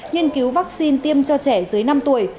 nghiên cứu vaccine tiêm cho trẻ dưới năm tuổi